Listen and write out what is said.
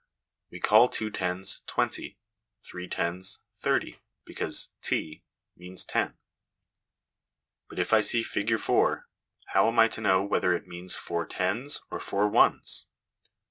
We call two tens, twenty, three tens, thirty, because * ty ' (tig) means ten. But if I see figure 4, how am I to know whether it means four tens or four ones